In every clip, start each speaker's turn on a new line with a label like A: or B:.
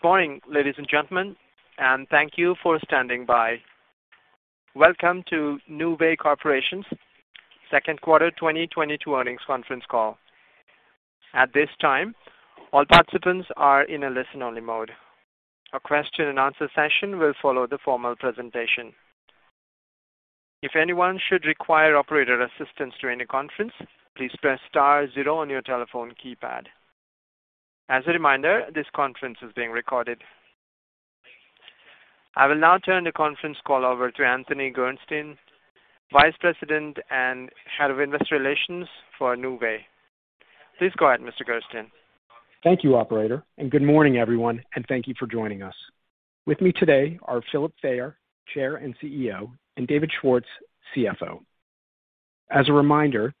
A: Good morning, ladies and gentlemen, and thank you for standing by. Welcome to Nuvei Corporation's second quarter 2022 earnings conference call. At this time, all participants are in a listen-only mode. A question-and-answer session will follow the formal presentation. If anyone should require operator assistance during the conference, please press star zero on your telephone keypad. As a reminder, this conference is being recorded. I will now turn the conference call over to Anthony Gerstein, Vice President, Head of Investor Relations for Nuvei. Please go ahead, Mr. Gerstein.
B: Thank you, operator, and good morning, everyone, and thank you for joining us. With me today are Philip Fayer, Chair and CEO, and David Schwartz, CFO. As a reminder,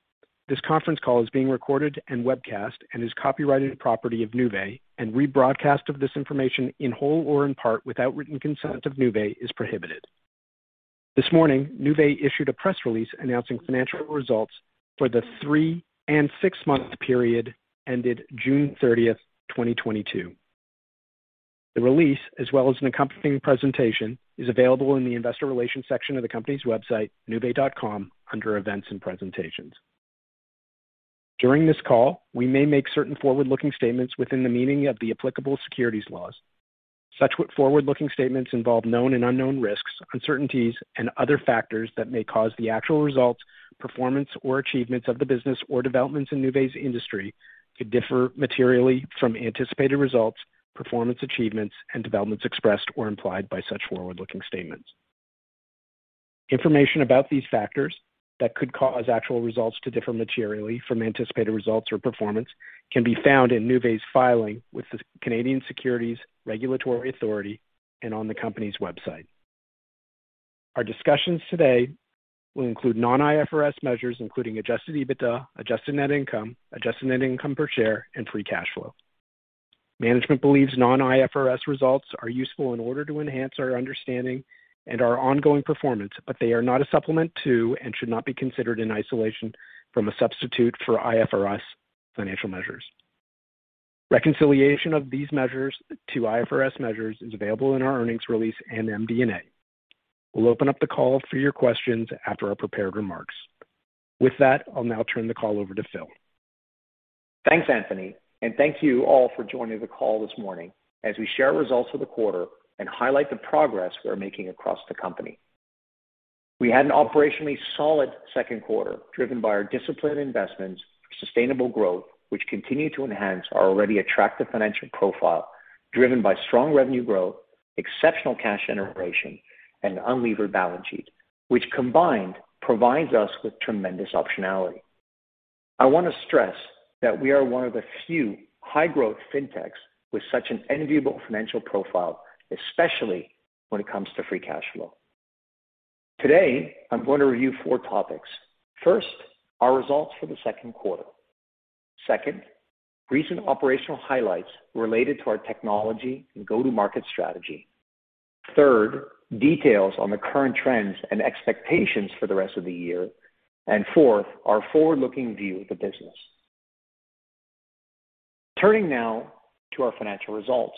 B: this conference call is being recorded and webcast and is copyrighted property of Nuvei, and rebroadcast of this information in whole or in part without written consent of Nuvei is prohibited. This morning, Nuvei issued a press release announcing financial results for the three- and six-month period ended June 30th, 2022. The release, as well as an accompanying presentation, is available in the investor relations section of the company's website, nuvei.com, under Events and Presentations. During this call, we may make certain forward-looking statements within the meaning of the applicable securities laws. Such forward-looking statements involve known and unknown risks, uncertainties, and other factors that may cause the actual results, performance, or achievements of the business or developments in Nuvei's industry to differ materially from anticipated results, performance achievements, and developments expressed or implied by such forward-looking statements. Information about these factors that could cause actual results to differ materially from anticipated results or performance can be found in Nuvei's filing with the Canadian Securities Administrators and on the company's website. Our discussions today will include non-IFRS measures, including adjusted EBITDA, adjusted net income, adjusted net income per share, and free cash flow. Management believes non-IFRS results are useful in order to enhance our understanding and our ongoing performance, but they are not a supplement to and should not be considered in isolation from a substitute for IFRS financial measures. Reconciliation of these measures to IFRS measures is available in our earnings release and MD&A. We'll open up the call for your questions after our prepared remarks. With that, I'll now turn the call over to Phil.
C: Thanks, Anthony, and thank you all for joining the call this morning as we share results for the quarter and highlight the progress we are making across the company. We had an operationally solid second quarter driven by our disciplined investments, sustainable growth, which continue to enhance our already attractive financial profile, driven by strong revenue growth, exceptional cash generation, and unlevered balance sheet, which combined provides us with tremendous optionality. I want to stress that we are one of the few high-growth fintechs with such an enviable financial profile, especially when it comes to free cash flow. Today, I'm going to review four topics. First, our results for the second quarter. Second, recent operational highlights related to our technology and go-to-market strategy. Third, details on the current trends and expectations for the rest of the year. Fourth, our forward-looking view of the business. Turning now to our financial results.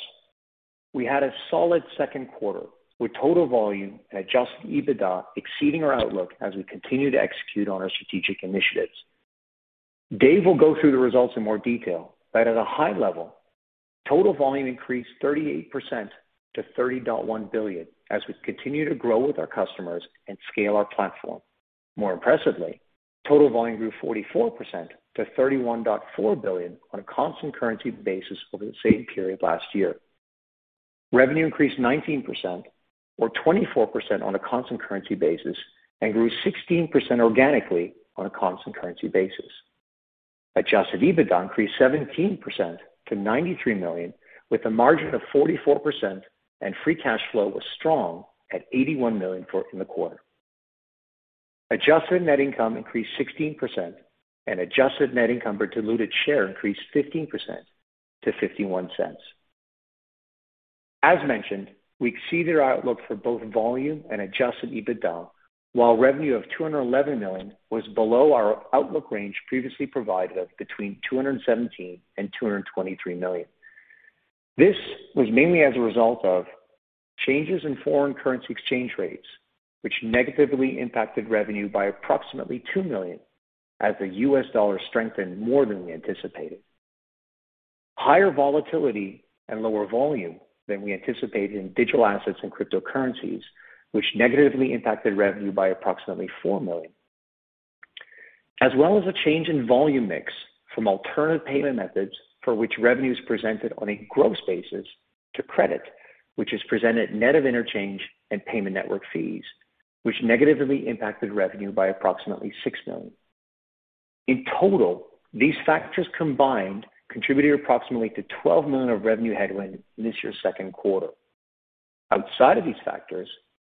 C: We had a solid second quarter with total volume and adjusted EBITDA exceeding our outlook as we continue to execute on our strategic initiatives. Dave will go through the results in more detail, but at a high level, total volume increased 38% to $30.1 billion as we continue to grow with our customers and scale our platform. More impressively, total volume grew 44% to $31.4 billion on a constant currency basis over the same period last year. Revenue increased 19% or 24% on a constant currency basis, and grew 16% organically on a constant currency basis. Adjusted EBITDA increased 17% to $93 million, with a margin of 44%, and free cash flow was strong at $81 million for the quarter. Adjusted net income increased 16%, and adjusted net income per diluted share increased 15% to $0.51. As mentioned, we exceeded our outlook for both volume and adjusted EBITDA, while revenue of $211 million was below our outlook range previously provided of between $217 million and $223 million. This was mainly as a result of changes in foreign currency exchange rates, which negatively impacted revenue by approximately $2 million as the U.S. dollar strengthened more than we anticipated. Higher volatility and lower volume than we anticipated in digital assets and cryptocurrencies, which negatively impacted revenue by approximately $4 million. As well as a change in volume mix from alternative payment methods for which revenue is presented on a gross basis to credit, which is presented net of interchange and payment network fees, which negatively impacted revenue by approximately $6 million. In total, these factors combined contributed approximately to $12 million of revenue headwind in this year's second quarter. Outside of these factors,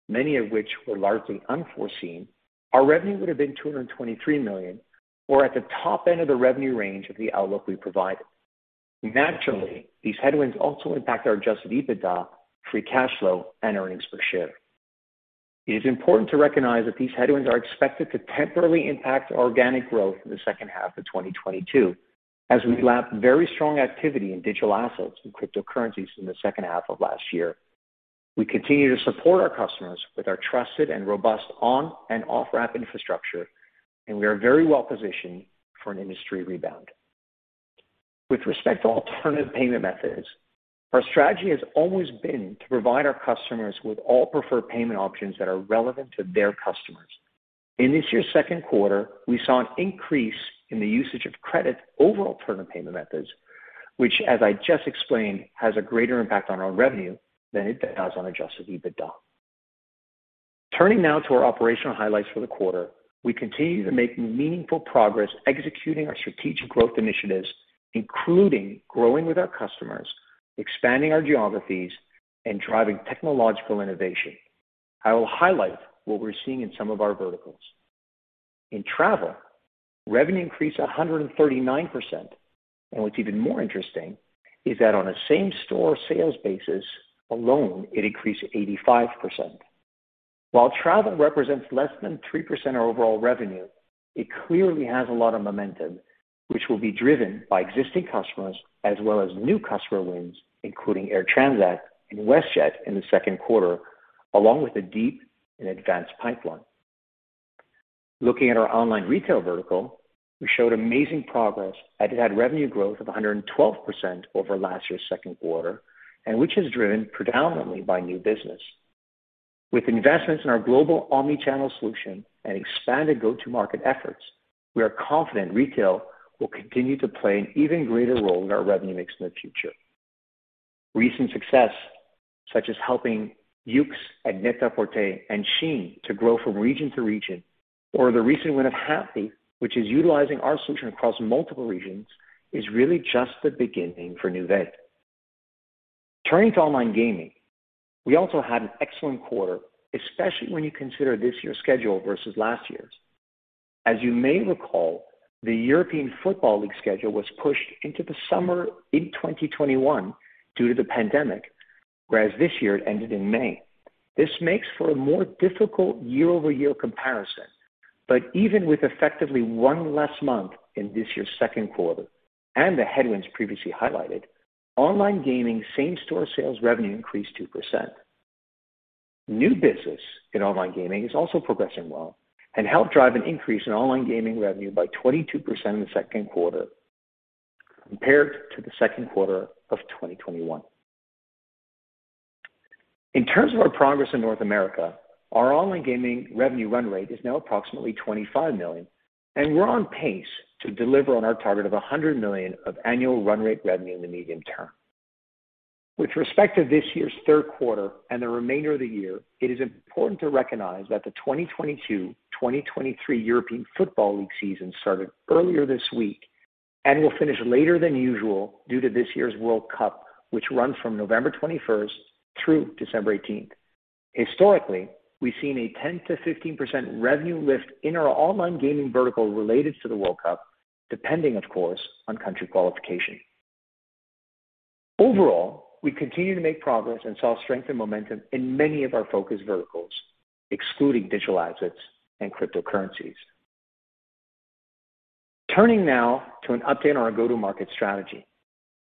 C: many of which were largely unforeseen, our revenue would have been $223 million, or at the top end of the revenue range of the outlook we provided. Naturally, these headwinds also impact our adjusted EBITDA, free cash flow, and earnings per share. It is important to recognize that these headwinds are expected to temporarily impact organic growth in the second half of 2022, as we lap very strong activity in digital assets and cryptocurrencies in the second half of last year. We continue to support our customers with our trusted and robust on and off-ramp infrastructure, and we are very well positioned for an industry rebound. With respect to alternative payment methods, our strategy has always been to provide our customers with all preferred payment options that are relevant to their customers. In this year's second quarter, we saw an increase in the usage of credit over alternative payment methods, which as I just explained, has a greater impact on our revenue than it does on adjusted EBITDA. Turning now to our operational highlights for the quarter, we continue to make meaningful progress executing our strategic growth initiatives, including growing with our customers, expanding our geographies, and driving technological innovation. I will highlight what we're seeing in some of our verticals. In travel, revenue increased 139%, and what's even more interesting is that on a same-store sales basis alone, it increased 85%. While travel represents less than 3% of overall revenue, it clearly has a lot of momentum, which will be driven by existing customers as well as new customer wins, including Air Transat and WestJet in the second quarter, along with a deep and advanced pipeline. Looking at our online retail vertical, we showed amazing progress as it had revenue growth of 112% over last year's second quarter, and which is driven predominantly by new business. With investments in our global omnichannel solution and expanded go-to-market efforts, we are confident retail will continue to play an even greater role in our revenue mix in the future. Recent success, such as helping YOOX and NET-A-PORTER and SHEIN to grow from region to region, or the recent win of Rappi, which is utilizing our solution across multiple regions, is really just the beginning for Nuvei. Turning to online gaming, we also had an excellent quarter, especially when you consider this year's schedule versus last year's. As you may recall, the European Football Championship schedule was pushed into the summer in 2021 due to the pandemic, whereas this year it ended in May. This makes for a more difficult year-over-year comparison. Even with effectively one less month in this year's second quarter and the headwinds previously highlighted, online gaming same-store sales revenue increased 2%. New business in online gaming is also progressing well and helped drive an increase in online gaming revenue by 22% in the second quarter compared to the second quarter of 2021. In terms of our progress in North America, our online gaming revenue run rate is now approximately $25 million, and we're on pace to deliver on our target of $100 million of annual run rate revenue in the medium term. With respect to this year's third quarter and the remainder of the year, it is important to recognize that the 2022-2023 European Football League season started earlier this week and will finish later than usual due to this year's World Cup, which runs from November 21st through December 18th. Historically, we've seen a 10%-15% revenue lift in our online gaming vertical related to the World Cup, depending of course on country qualification. Overall, we continue to make progress and saw strength and momentum in many of our focus verticals, excluding digital assets and cryptocurrencies. Turning now to an update on our go-to-market strategy.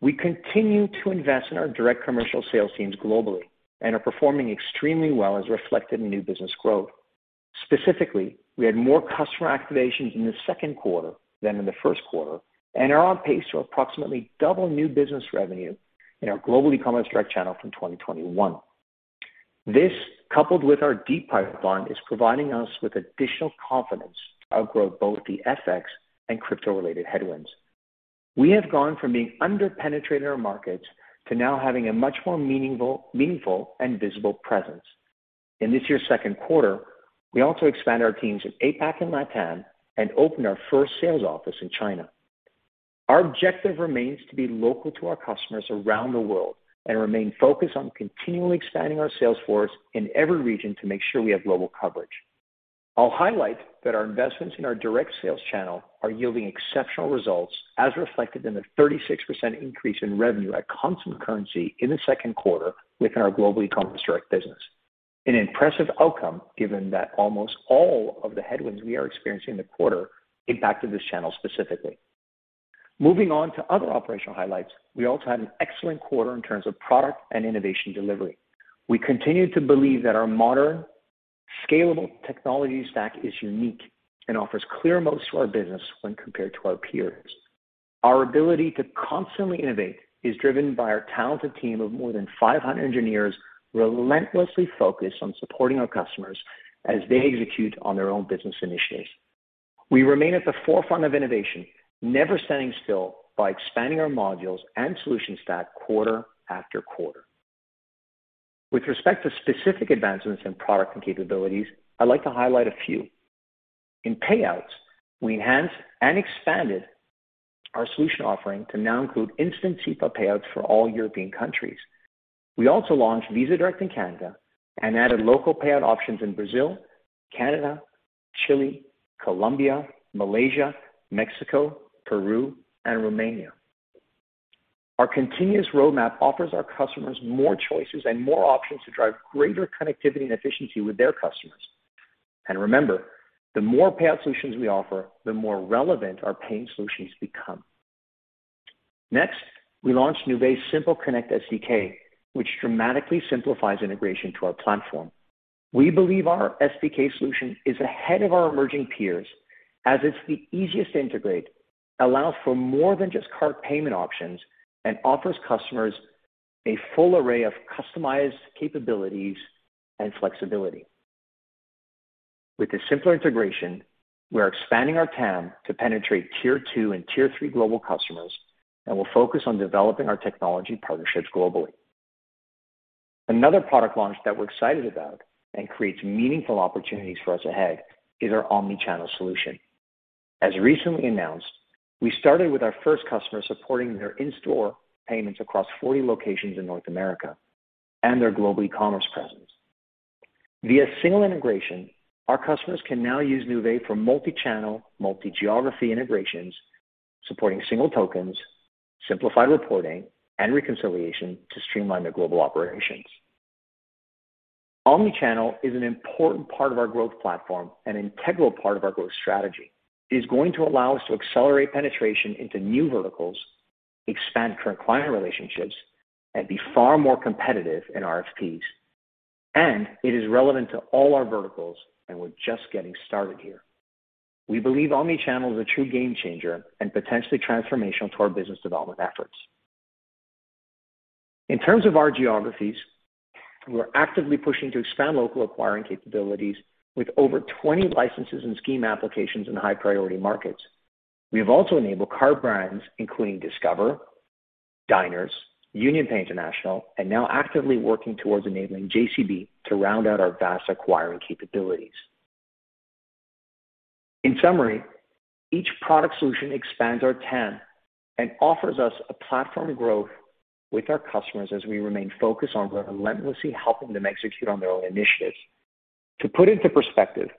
C: We continue to invest in our direct commercial sales teams globally and are performing extremely well as reflected in new business growth. Specifically, we had more customer activations in the second quarter than in the first quarter and are on pace to approximately double new business revenue in our global eCommerce direct channel from 2021. This, coupled with our deep pipeline, is providing us with additional confidence to outgrow both the FX and crypto-related headwinds. We have gone from being under-penetrated in our markets to now having a much more meaningful and visible presence. In this year's second quarter, we also expanded our teams in APAC and LatAm and opened our first sales office in China. Our objective remains to be local to our customers around the world and remain focused on continually expanding our sales force in every region to make sure we have global coverage. I'll highlight that our investments in our direct sales channel are yielding exceptional results as reflected in the 36% increase in revenue at constant currency in the second quarter within our global eCommerce direct business. An impressive outcome given that almost all of the headwinds we are experiencing in the quarter impacted this channel specifically. Moving on to other operational highlights, we also had an excellent quarter in terms of product and innovation delivery. We continue to believe that our modern, scalable technology stack is unique and offers clear moat to our business when compared to our peers. Our ability to constantly innovate is driven by our talented team of more than 500 engineers relentlessly focused on supporting our customers as they execute on their own business initiatives. We remain at the forefront of innovation, never standing still by expanding our modules and solution stack quarter after quarter. With respect to specific advancements in product and capabilities, I'd like to highlight a few. In payouts, we enhanced and expanded our solution offering to now include instant SEPA payouts for all European countries. We also launched Visa Direct in Canada and added local payout options in Brazil, Canada, Chile, Colombia, Malaysia, Mexico, Peru, and Romania. Our continuous roadmap offers our customers more choices and more options to drive greater connectivity and efficiency with their customers. Remember, the more payout solutions we offer, the more relevant our payment solutions become. Next, we launched Nuvei's Simply Connect SDK, which dramatically simplifies integration to our platform. We believe our SDK solution is ahead of our emerging peers as it's the easiest to integrate, allows for more than just card payment options, and offers customers a full array of customized capabilities and flexibility. With the simpler integration, we're expanding our TAM to penetrate Tier 2 and Tier 3 global customers, and we'll focus on developing our technology partnerships globally. Another product launch that we're excited about and creates meaningful opportunities for us ahead is our omnichannel solution. As recently announced, we started with our first customer supporting their in-store payments across 40 locations in North America and their global eCommerce presence. Via single integration, our customers can now use Nuvei for multi-channel, multi-geography integrations, supporting single tokens, simplified reporting, and reconciliation to streamline their global operations. Omnichannel is an important part of our growth platform and an integral part of our growth strategy. It is going to allow us to accelerate penetration into new verticals, expand current client relationships, and be far more competitive in RFPs. It is relevant to all our verticals, and we're just getting started here. We believe omnichannel is a true game changer and potentially transformational to our business development efforts. In terms of our geographies, we're actively pushing to expand local acquiring capabilities with over 20 licenses and scheme applications in high-priority markets. We have also enabled card brands including Discover, Diners, UnionPay International, and now actively working towards enabling JCB to round out our vast acquiring capabilities. In summary, each product solution expands our TAM and offers us a platform growth with our customers as we remain focused on relentlessly helping them execute on their own initiatives. To put into perspective,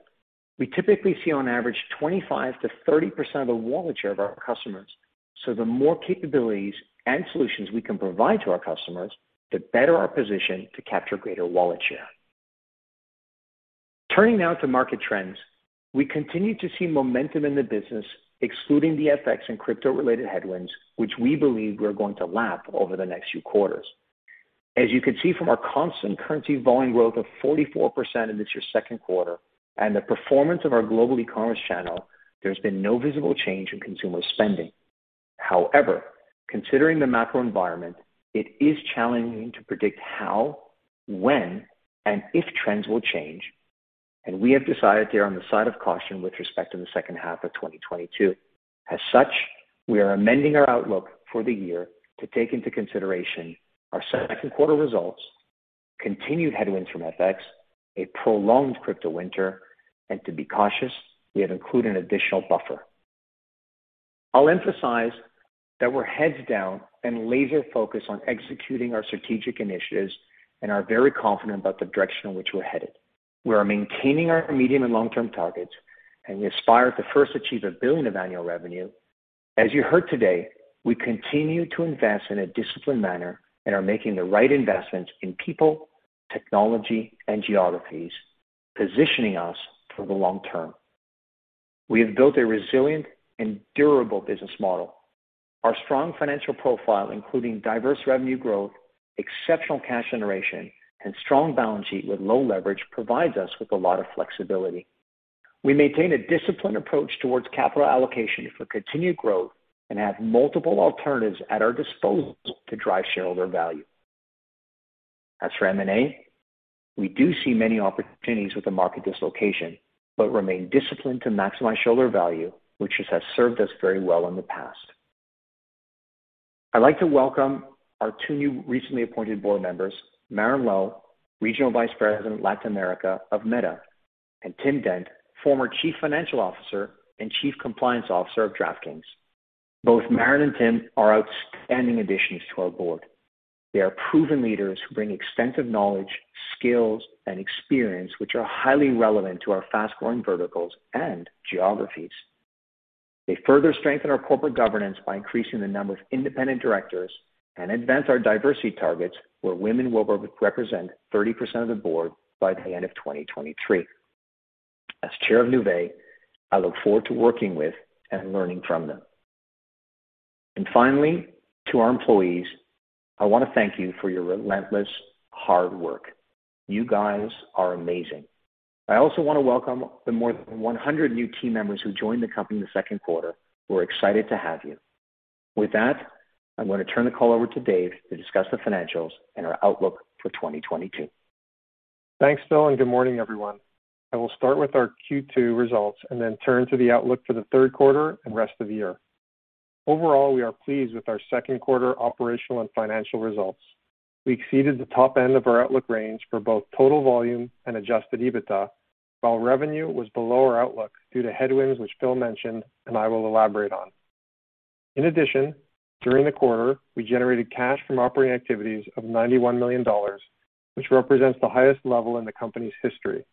C: we typically see on average 25%-30% of the wallet share of our customers, so the more capabilities and solutions we can provide to our customers, the better our position to capture greater wallet share. Turning now to market trends, we continue to see momentum in the business excluding the FX and crypto-related headwinds, which we believe we are going to lap over the next few quarters. As you can see from our constant currency volume growth of 44% in this year's second quarter and the performance of our global eCommerce channel, there's been no visible change in consumer spending. However, considering the macro environment, it is challenging to predict how, when, and if trends will change, and we have decided to err on the side of caution with respect to the second half of 2022. As such, we are amending our outlook for the year to take into consideration our second quarter results, continued headwinds from FX, a prolonged crypto winter, and to be cautious, we have included an additional buffer. I'll emphasize that we're heads down and laser-focused on executing our strategic initiatives and are very confident about the direction in which we're headed. We are maintaining our medium and long-term targets, and we aspire to first achieve $1 billion of annual revenue. As you heard today, we continue to invest in a disciplined manner and are making the right investments in people, technology, and geographies, positioning us for the long term. We have built a resilient and durable business model. Our strong financial profile, including diverse revenue growth, exceptional cash generation, and strong balance sheet with low leverage, provides us with a lot of flexibility. We maintain a disciplined approach towards capital allocation for continued growth and have multiple alternatives at our disposal to drive shareholder value. As for M&A, we do see many opportunities with the market dislocation but remain disciplined to maximize shareholder value, which has served us very well in the past. I'd like to welcome our two new recently appointed board members, Maren Lau, Regional Vice President, Latin America of Meta, and Tim Dent, former Chief Financial Officer and Chief Compliance Officer of DraftKings. Both Maren and Tim are outstanding additions to our board. They are proven leaders who bring extensive knowledge, skills, and experience, which are highly relevant to our fast-growing verticals and geographies. They further strengthen our corporate governance by increasing the number of independent directors and advance our diversity targets, where women will represent 30% of the board by the end of 2023. As Chair of Nuvei, I look forward to working with and learning from them. Finally, to our employees, I want to thank you for your relentless hard work. You guys are amazing. I also want to welcome the more than 100 new team members who joined the company in the second quarter. We're excited to have you. With that, I'm going to turn the call over to Dave to discuss the financials and our outlook for 2022.
D: Thanks, Phil, and good morning, everyone. I will start with our Q2 results and then turn to the outlook for the third quarter and rest of the year. Overall, we are pleased with our second quarter operational and financial results. We exceeded the top end of our outlook range for both total volume and adjusted EBITDA, while revenue was below our outlook due to headwinds which Phil mentioned, and I will elaborate on. In addition, during the quarter, we generated cash from operating activities of $91 million, which represents the highest level in the company's history.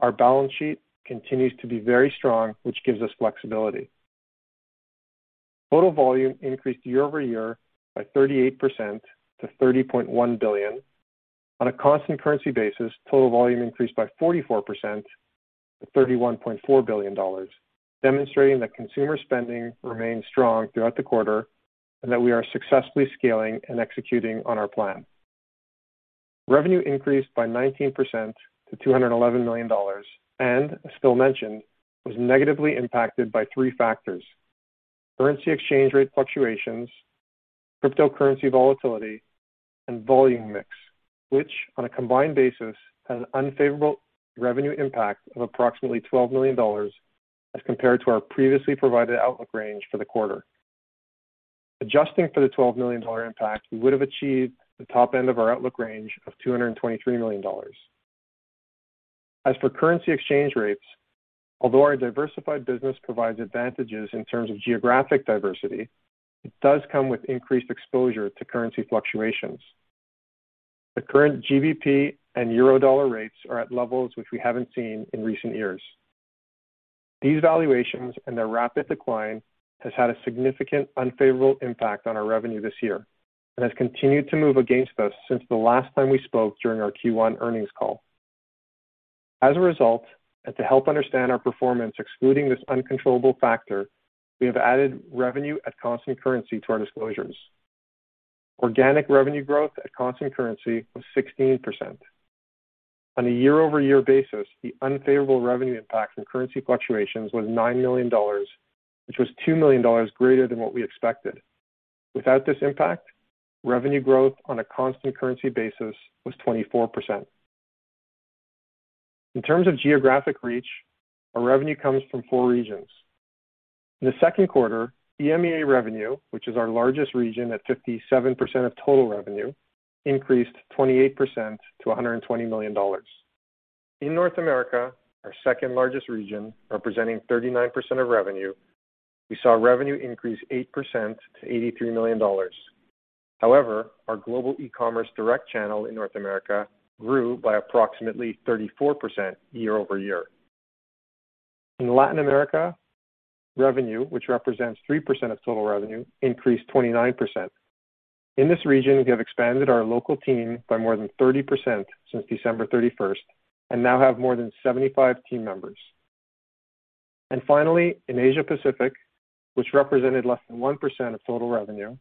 D: Our balance sheet continues to be very strong, which gives us flexibility. Total volume increased year-over-year by 38% to $30.1 billion. On a constant currency basis, total volume increased by 44% to $31.4 billion, demonstrating that consumer spending remained strong throughout the quarter and that we are successfully scaling and executing on our plan. Revenue increased by 19% to $211 million and as Phil mentioned, was negatively impacted by three factors, currency exchange rate fluctuations, cryptocurrency volatility, and volume mix, which on a combined basis had an unfavorable revenue impact of approximately $12 million as compared to our previously provided outlook range for the quarter. Adjusting for the $12 million impact, we would have achieved the top end of our outlook range of $223 million. As for currency exchange rates, although our diversified business provides advantages in terms of geographic diversity, it does come with increased exposure to currency fluctuations. The current GBP and EUR/USD rates are at levels which we haven't seen in recent years. These valuations and their rapid decline has had a significant unfavorable impact on our revenue this year and has continued to move against us since the last time we spoke during our Q1 earnings call. As a result, and to help understand our performance excluding this uncontrollable factor, we have added revenue at constant currency to our disclosures. Organic revenue growth at constant currency was 16%. On a year-over-year basis, the unfavorable revenue impact from currency fluctuations was $9 million, which was $2 million greater than what we expected. Without this impact, revenue growth on a constant currency basis was 24%. In terms of geographic reach, our revenue comes from four regions. In the second quarter, EMEA revenue, which is our largest region at 57% of total revenue, increased 28% to $120 million. In North America, our second-largest region representing 39% of revenue, we saw revenue increase 8% to $83 million. However, our global e-commerce direct channel in North America grew by approximately 34% year-over-year. In Latin America, revenue which represents 3% of total revenue increased 29%. In this region, we have expanded our local team by more than 30% since December 31st and now have more than 75 team members. Finally, in Asia-Pacific, which represented less than 1% of total revenue,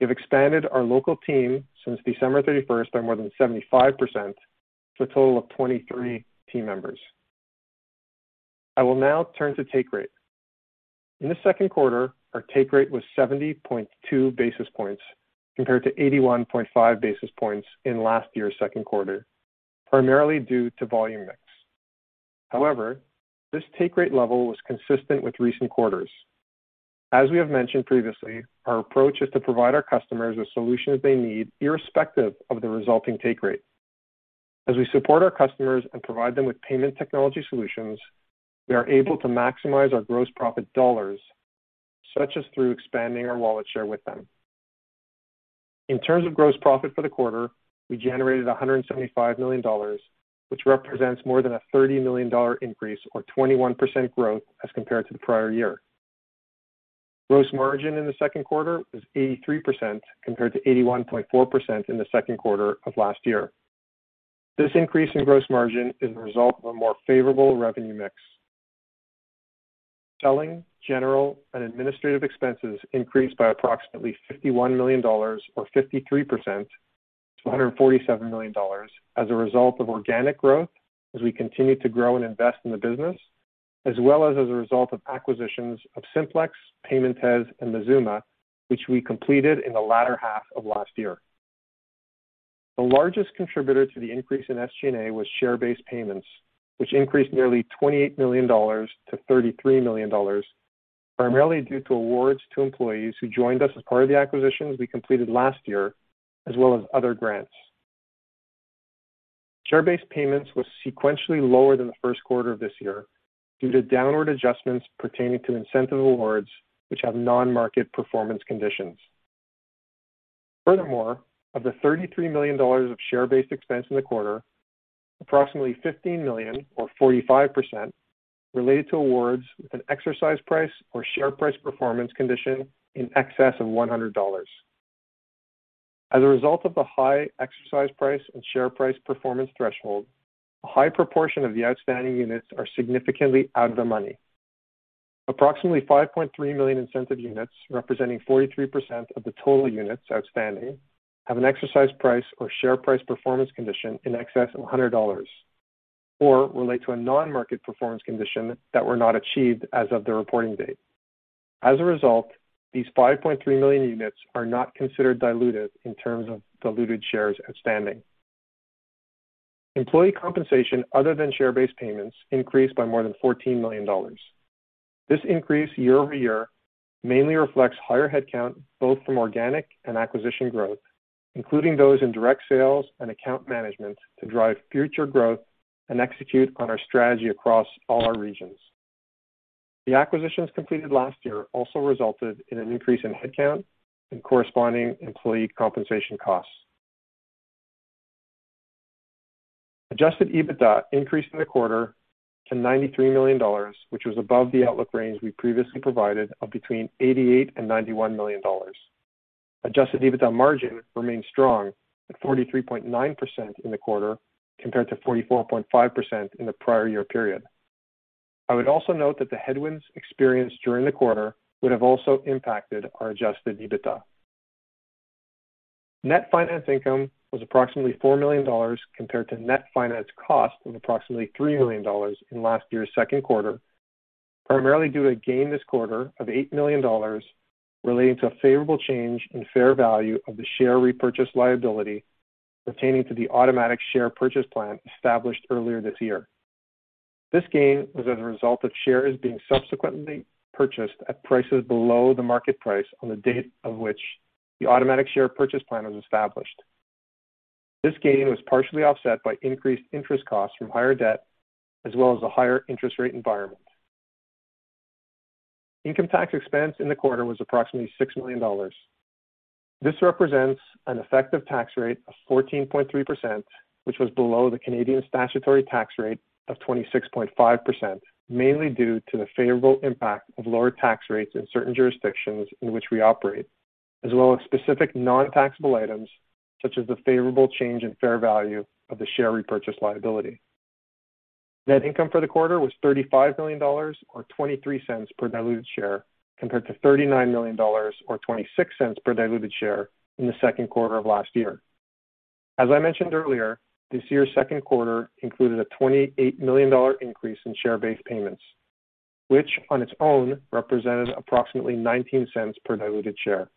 D: we've expanded our local team since December 31st by more than 75% to a total of 23 team members. I will now turn to take rate. In the second quarter, our take rate was 70.2 basis points compared to 81.5 basis points in last year's second quarter, primarily due to volume mix. However, this take rate level was consistent with recent quarters. As we have mentioned previously, our approach is to provide our customers with solutions they need irrespective of the resulting take rate. As we support our customers and provide them with payment technology solutions, we are able to maximize our gross profit dollars, such as through expanding our wallet share with them. In terms of gross profit for the quarter, we generated $175 million, which represents more than a $30 million increase or 21% growth as compared to the prior year. Gross margin in the second quarter was 83% compared to 81.4% in the second quarter of last year. This increase in gross margin is the result of a more favorable revenue mix. Selling, general, and administrative expenses increased by approximately $51 million or 53% to $147 million as a result of organic growth as we continue to grow and invest in the business, as well as a result of acquisitions of Simplex, Paymentez, and Mazooma, which we completed in the latter half of last year. The largest contributor to the increase in SG&A was share-based payments, which increased nearly $28 million to $33 million, primarily due to awards to employees who joined us as part of the acquisitions we completed last year, as well as other grants. Share-based payments was sequentially lower than the first quarter of this year due to downward adjustments pertaining to incentive awards which have non-market performance conditions. Furthermore, of the $33 million of share-based expense in the quarter, approximately $15 million or 45% related to awards with an exercise price or share price performance condition in excess of $100. As a result of the high exercise price and share price performance threshold, a high proportion of the outstanding units are significantly out of the money. Approximately $5.3 million incentive units representing 43% of the total units outstanding have an exercise price or share price performance condition in excess of $100, or relate to a non-market performance condition that were not achieved as of the reporting date. As a result, these $5.3 million units are not considered diluted in terms of diluted shares outstanding. Employee compensation other than share-based payments increased by more than $14 million. This increase year-over-year mainly reflects higher headcount both from organic and acquisition growth, including those in direct sales and account management to drive future growth and execute on our strategy across all our regions. The acquisitions completed last year also resulted in an increase in headcount and corresponding employee compensation costs. Adjusted EBITDA increased in the quarter to $93 million, which was above the outlook range we previously provided of between $88 million and $91 million. Adjusted EBITDA margin remained strong at 43.9% in the quarter compared to 44.5% in the prior year period. I would also note that the headwinds experienced during the quarter would have also impacted our adjusted EBITDA. Net finance income was approximately $4 million compared to net finance cost of approximately $3 million in last year's second quarter, primarily due to a gain this quarter of $8 million relating to a favorable change in fair value of the share repurchase liability pertaining to the automatic share purchase plan established earlier this year. This gain was as a result of shares being subsequently purchased at prices below the market price on the date of which the automatic share purchase plan was established. This gain was partially offset by increased interest costs from higher debt as well as a higher interest rate environment. Income tax expense in the quarter was approximately $6 million. This represents an effective tax rate of 14.3%, which was below the Canadian statutory tax rate of 26.5%, mainly due to the favorable impact of lower tax rates in certain jurisdictions in which we operate, as well as specific non-taxable items such as the favorable change in fair value of the share repurchase liability. Net income for the quarter was $35 million or $0.23 per diluted share compared to $39 million or $0.26 per diluted share in the second quarter of last year. As I mentioned earlier, this year's second quarter included a $28 million increase in share-based payments, which on its own represented approximately $0.19 per diluted share.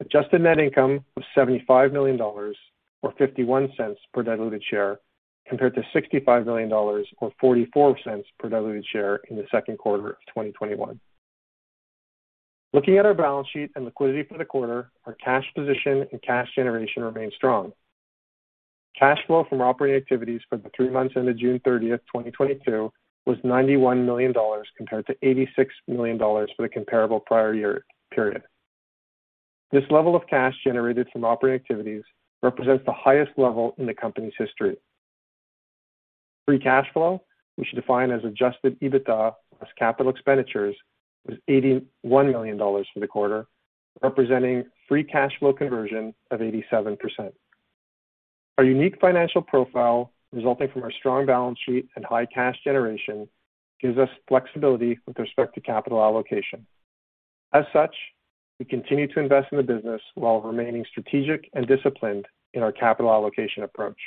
D: Adjusted net income of $75 million or $0.51 per diluted share compared to $65 million or $0.44 per diluted share in the second quarter of 2021. Looking at our balance sheet and liquidity for the quarter, our cash position and cash generation remain strong. Cash flow from operating activities for the three months ended June 30th, 2022 was $91 million compared to $86 million for the comparable prior year period. This level of cash generated from operating activities represents the highest level in the company's history. Free cash flow, which we define as adjusted EBITDA less capital expenditures, was $81 million for the quarter, representing free cash flow conversion of 87%. Our unique financial profile resulting from our strong balance sheet and high cash generation gives us flexibility with respect to capital allocation. As such, we continue to invest in the business while remaining strategic and disciplined in our capital allocation approach.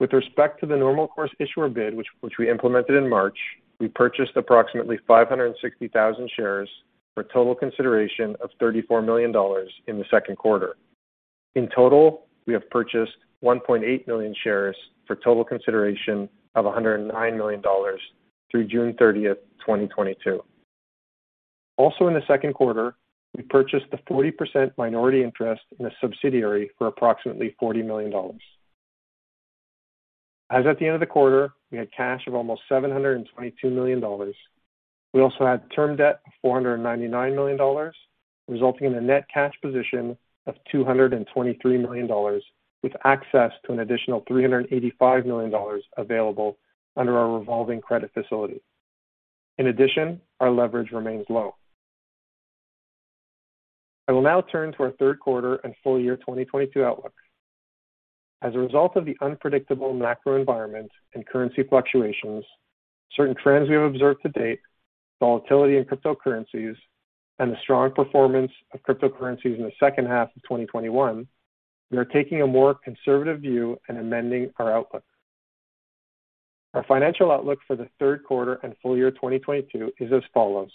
D: With respect to the normal course issuer bid, which we implemented in March, we purchased approximately 560,000 shares for total consideration of $34 million in the second quarter. In total, we have purchased 1.8 million shares for total consideration of $109 million through June 30th, 2022. Also in the second quarter, we purchased the 40% minority interest in a subsidiary for approximately $40 million. As at the end of the quarter, we had cash of almost $722 million. We also had term debt of $499 million, resulting in a net cash position of $223 million, with access to an additional $385 million available under our revolving credit facility. In addition, our leverage remains low. I will now turn to our third quarter and full year 2022 outlook. As a result of the unpredictable macro environment and currency fluctuations, certain trends we have observed to date, volatility in cryptocurrencies, and the strong performance of cryptocurrencies in the second half of 2021, we are taking a more conservative view and amending our outlook. Our financial outlook for the third quarter and full year 2022 is as follows,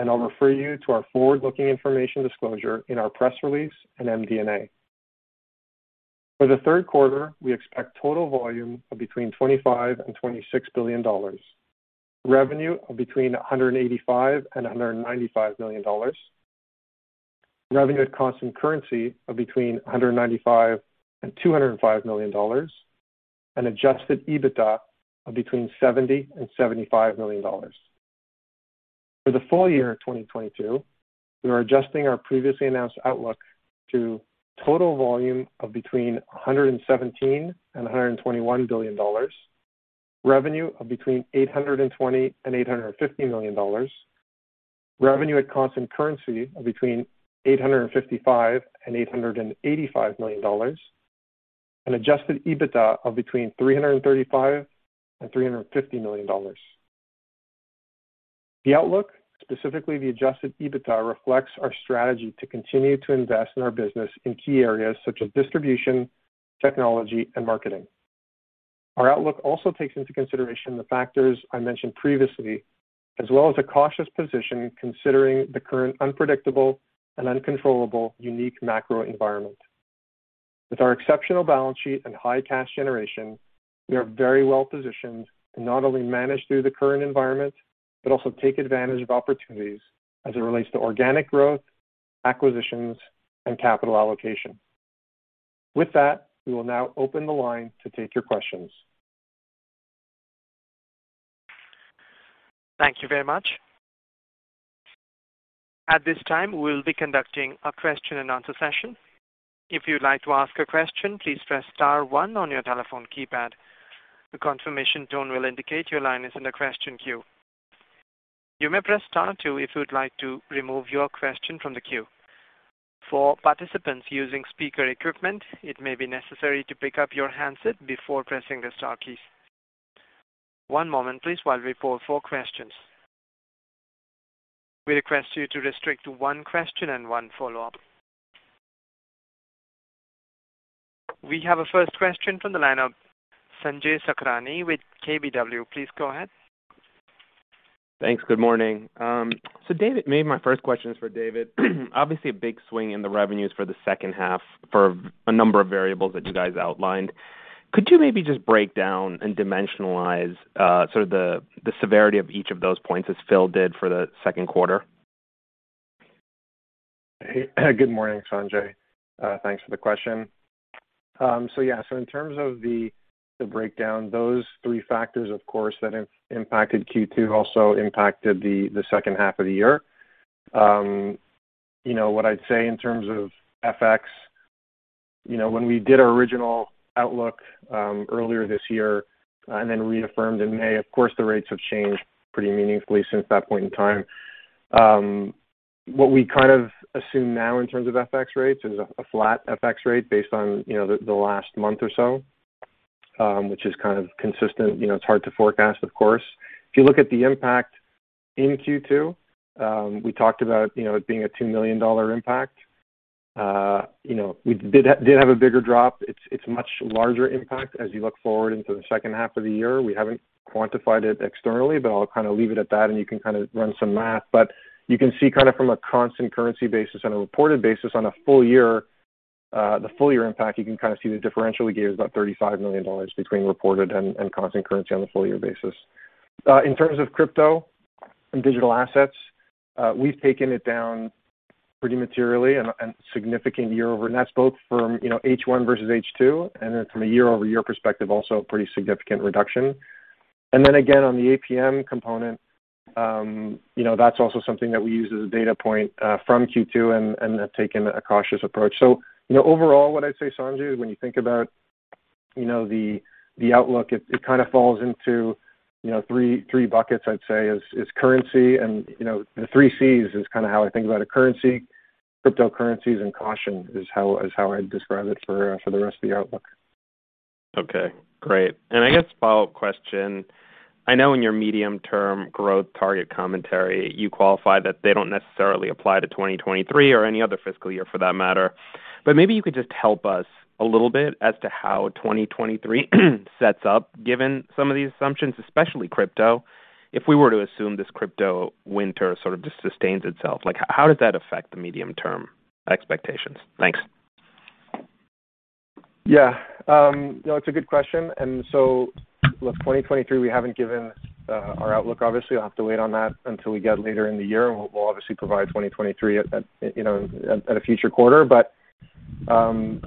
D: and I'll refer you to our forward-looking information disclosure in our press release and MD&A. For the third quarter, we expect total volume of between $25 billion and $26 billion, revenue of between $185 million and $195 million, revenue at constant currency of between $195 million and $205 million, and adjusted EBITDA of between $70 million and $75 million. For the full year of 2022, we are adjusting our previously announced outlook to total volume of between $117 billion and $121 billion, revenue of between $820 million and $850 million, revenue at constant currency of between $855 million and $885 million, and adjusted EBITDA of between $335 million and $350 million. The outlook, specifically the adjusted EBITDA, reflects our strategy to continue to invest in our business in key areas such as distribution, technology, and marketing. Our outlook also takes into consideration the factors I mentioned previously, as well as a cautious position considering the current unpredictable and uncontrollable unique macro environment. With our exceptional balance sheet and high cash generation, we are very well positioned to not only manage through the current environment, but also take advantage of opportunities as it relates to organic growth, acquisitions, and capital allocation. With that, we will now open the line to take your questions.
A: Thank you very much. At this time, we'll be conducting a question-and-answer session. If you'd like to ask a question, please press star one on your telephone keypad. The confirmation tone will indicate your line is in the question queue. You may press star two if you'd like to remove your question from the queue. For participants using speaker equipment, it may be necessary to pick up your handset before pressing the star key. One moment please while we poll for questions. We request you to restrict to one question and one follow-up. We have a first question from the line of Sanjay Sakhrani with KBW. Please go ahead.
E: Thanks. Good morning. David, maybe my first question is for David. Obviously, a big swing in the revenues for the second half for a number of variables that you guys outlined. Could you maybe just break down and dimensionalize sort of the severity of each of those points as Phil did for the second quarter?
D: Good morning, Sanjay. Thanks for the question. In terms of the breakdown, those three factors, of course, that impacted Q2 also impacted the second half of the year. You know, what I'd say in terms of FX, you know, when we did our original outlook earlier this year and then reaffirmed in May, of course, the rates have changed pretty meaningfully since that point in time. What we kind of assume now in terms of FX rates is a flat FX rate based on, you know, the last month or so, which is kind of consistent. You know, it's hard to forecast, of course. If you look at the impact in Q2, you know, we talked about it being a $2 million impact. You know, we did have a bigger drop. It's a much larger impact as you look forward into the second half of the year. We haven't quantified it externally, but I'll kind of leave it at that, and you can kind of run some math. You can see kind of from a constant currency basis on a reported basis on a full year, the full year impact, you can kind of see the differential we gave is about $35 million between reported and constant currency on the full year basis. In terms of crypto and digital assets, we've taken it down pretty materially and significantly year-over-year. That's both from, you know, H1 versus H2, and then from a year-over-year perspective, also a pretty significant reduction. Again, on the APM component, you know, that's also something that we use as a data point from Q2 and have taken a cautious approach. You know, overall, what I'd say, Sanjay, is when you think about, you know, the outlook, it kind of falls into, you know, three buckets I'd say is currency. You know, the 3C is kinda how I think about it currency, cryptocurrencies and caution is how I'd describe it for the rest of the outlook.
E: Okay, great. I guess a follow-up question. I know in your medium-term growth target commentary, you qualify that they don't necessarily apply to 2023 or any other fiscal year for that matter. Maybe you could just help us a little bit as to how 2023 sets up given some of these assumptions, especially crypto. If we were to assume this crypto winter sort of just sustains itself, like how does that affect the medium-term expectations? Thanks.
D: Yeah. You know, it's a good question. With 2023, we haven't given our outlook. Obviously, I'll have to wait on that until we get later in the year. We'll obviously provide 2023 at a future quarter. You know,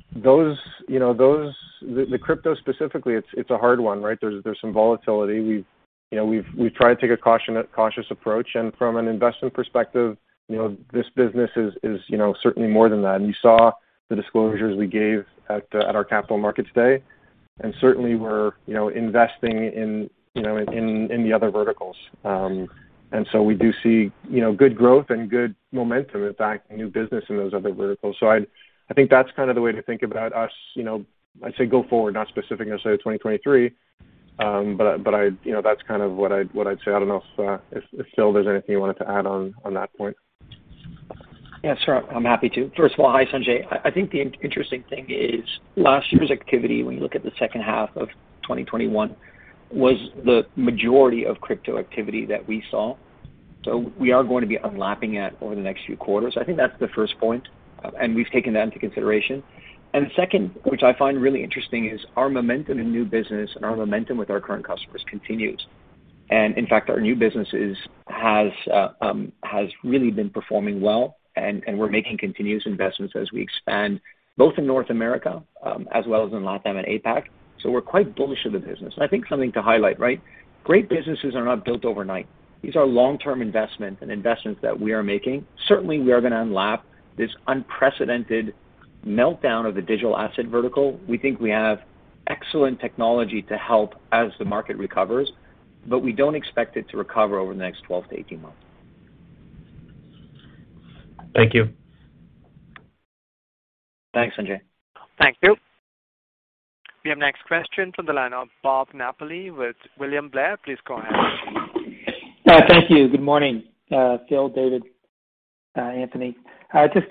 D: those, the crypto specifically, it's a hard one, right? There's some volatility. We've, you know, tried to take a cautious approach. From an investment perspective, you know, this business is certainly more than that. You saw the disclosures we gave at our Capital Markets Day. Certainly, we're investing, you know, in the other verticals. We do see, you know, good growth and good momentum, in fact, new business in those other verticals. I think that's kind of the way to think about us, you know, I'd say go forward, not specific necessarily to 2023. You know, that's kind of what I'd say. I don't know if Phil, there's anything you wanted to add on that point.
C: Yeah, sure. I'm happy to. First of all, hi, Sanjay. I think the interesting thing is last year's activity, when you look at the second half of 2021, was the majority of crypto activity that we saw. We are going to be unlapping it over the next few quarters. I think that's the first point, and we've taken that into consideration. Second, which I find really interesting, is our momentum in new business and our momentum with our current customers continues. In fact, our new business has really been performing well, and we're making continuous investments as we expand both in North America, as well as in LatAm and APAC. We're quite bullish of the business. I think something to highlight, right? Great businesses are not built overnight. These are long-term investments and investments that we are making. Certainly, we are gonna unlap this unprecedented meltdown of the digital asset vertical. We think we have excellent technology to help as the market recovers, but we don't expect it to recover over the next 12-18 months.
E: Thank you.
C: Thanks, Sanjay.
A: Thank you. We have next question from the line of Bob Napoli with William Blair. Please go ahead.
F: Thank you. Good morning, Phil, David, Anthony. Just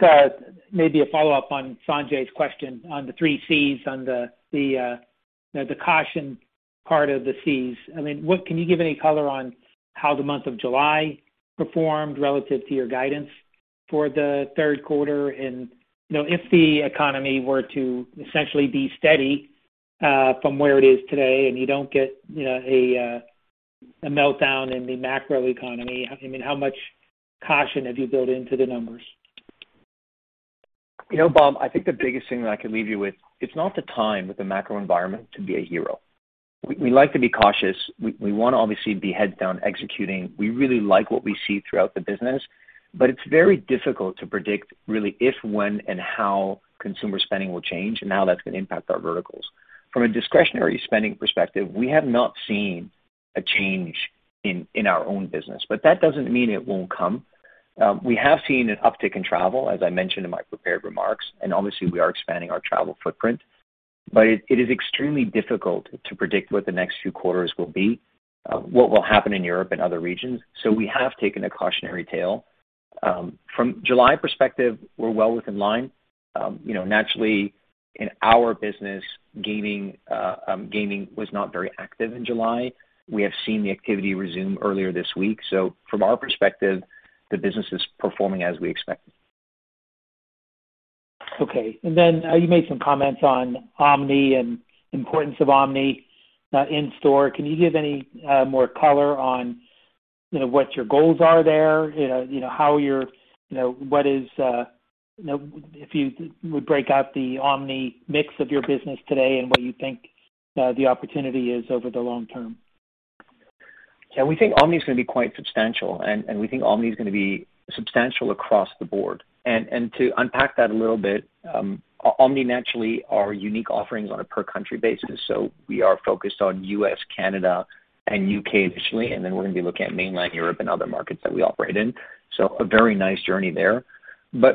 F: maybe a follow-up on Sanjay's question on the 3C on the caution part of the Cs. I mean, what can you give any color on how the month of July performed relative to your guidance for the third quarter? You know, if the economy were to essentially be steady from where it is today and you don't get, you know, a meltdown in the macro economy. I mean, how much caution have you built into the numbers?
C: You know, Bob, I think the biggest thing that I can leave you with, it's not the time with the macro environment to be a hero. We like to be cautious. We wanna obviously be heads down executing. We really like what we see throughout the business, but it's very difficult to predict really if, when, and how consumer spending will change and how that's gonna impact our verticals. From a discretionary spending perspective, we have not seen a change in our own business, but that doesn't mean it won't come. We have seen an uptick in travel, as I mentioned in my prepared remarks, and obviously we are expanding our travel footprint. It is extremely difficult to predict what the next few quarters will be, what will happen in Europe and other regions. We have taken a cautionary tale. From July perspective, we're well within line. You know, naturally in our business, gaming was not very active in July. We have seen the activity resume earlier this week. From our perspective, the business is performing as we expected.
F: Okay. You made some comments on omni and importance of omni in store. Can you give any more color on, you know, what your goals are there? You know, what is, you know, if you would break out the omni mix of your business today and what you think the opportunity is over the long term.
C: Yeah. We think omni is gonna be quite substantial, and we think omni is gonna be substantial across the board. To unpack that a little bit, omni naturally are unique offerings on a per country basis, so we are focused on U.S., Canada, and U.K. initially, and then we're gonna be looking at mainland Europe and other markets that we operate in.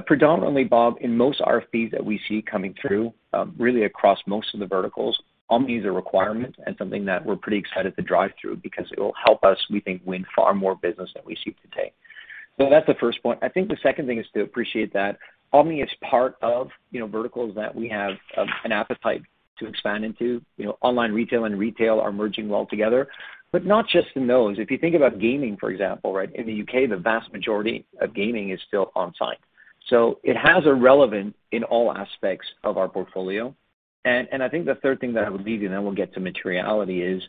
C: Predominantly, Bob, in most RFPs that we see coming through, really across most of the verticals, omni is a requirement and something that we're pretty excited to drive through because it will help us, we think, win far more business than we seek to take. That's the first point. I think the second thing is to appreciate that omni is part of, you know, verticals that we have, an appetite to expand into. You know, online retail and retail are merging well together, but not just in those. If you think about gaming, for example, right? In the U.K., the vast majority of gaming is still on-site. It has relevance in all aspects of our portfolio. I think the third thing that I would leave you, and then we'll get to materiality is,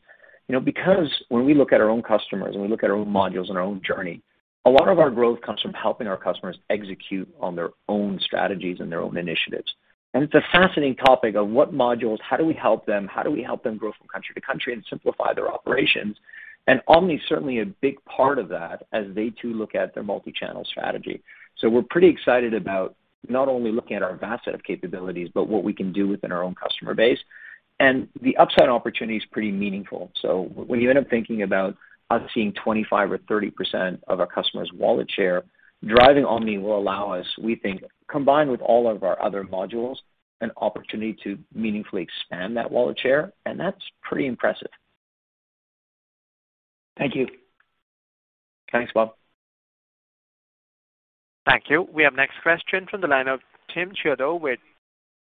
C: you know, because when we look at our own customers, when we look at our own modules and our own journey, a lot of our growth comes from helping our customers execute on their own strategies and their own initiatives. It's a fascinating topic of what modules, how do we help them grow from country-to-country and simplify their operations? Omni is certainly a big part of that as they too look at their multi-channel strategy. We're pretty excited about not only looking at our vast set of capabilities, but what we can do within our own customer base. The upside opportunity is pretty meaningful. When you end up thinking about us seeing 25% or 30% of our customers' wallet share, driving omni will allow us, we think, combined with all of our other modules, an opportunity to meaningfully expand that wallet share, and that's pretty impressive.
F: Thank you.
C: Thanks, Bob.
A: Thank you. We have next question from the line of Tim Chiodo with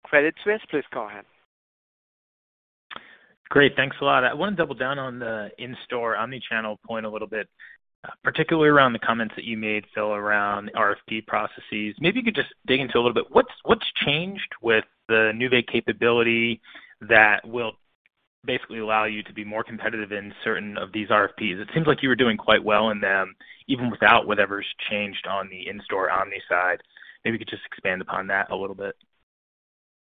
A: Credit Suisse. Please go ahead.
G: Great. Thanks a lot. I wanna double down on the in-store omnichannel point a little bit, particularly around the comments that you made, Phil, around RFP processes. Maybe you could just dig into a little bit. What's changed with the Nuvei capability that will basically allow you to be more competitive in certain of these RFPs? It seems like you were doing quite well in them, even without whatever's changed on the in-store omni side. Maybe you could just expand upon that a little bit.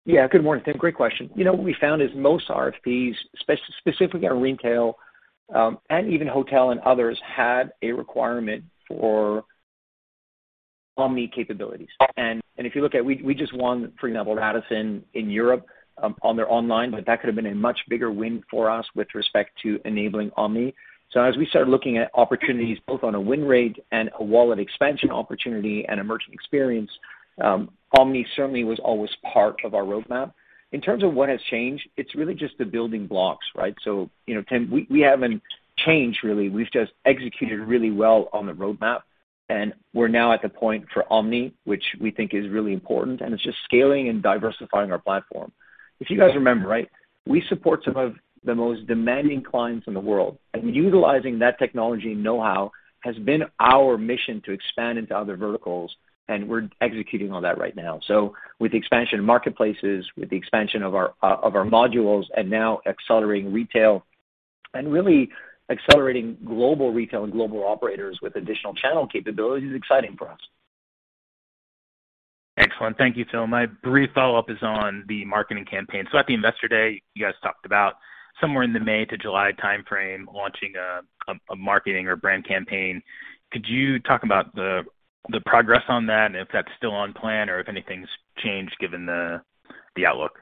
C: Yeah. Good morning, Tim. Great question. You know, what we found is most RFPs, specifically on retail, and even hotel and others, had a requirement for omni capabilities. If you look at, we just won, for example, Radisson in Europe, on their online, but that could have been a much bigger win for us with respect to enabling omni. As we started looking at opportunities both on a win rate and a wallet expansion opportunity and a merchant experience, omni certainly was always part of our roadmap. In terms of what has changed, it's really just the building blocks, right? You know, Tim, we haven't changed really. We've just executed really well on the roadmap, and we're now at the point for omni, which we think is really important, and it's just scaling and diversifying our platform. If you guys remember, right, we support some of the most demanding clients in the world, and utilizing that technology know-how has been our mission to expand into other verticals, and we're executing on that right now. With the expansion of marketplaces, with the expansion of our of our modules, and now accelerating retail, and really accelerating global retail and global operators with additional channel capabilities is exciting for us.
G: Excellent. Thank you, Phil. My brief follow-up is on the marketing campaign. At the Investor Day, you guys talked about somewhere in the May to July timeframe launching a marketing or brand campaign. Could you talk about the progress on that and if that's still on plan or if anything's changed given the outlook?